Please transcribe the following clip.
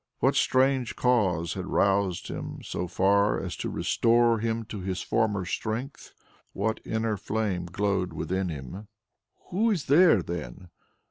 What strange cause had roused him so far as to restore to him his former strength, and what inner flame glowed within him? "Who is there then?"